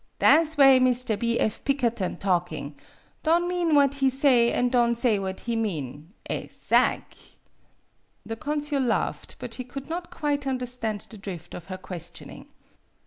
Tha' 's way Mr. B. F. Pikkerton talking don' mean what he say an' don' say what he mean ezag'." The consul laughed, but he could not quite understand the drift of her questioning.